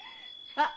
あっ！